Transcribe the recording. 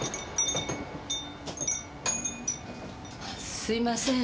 すみません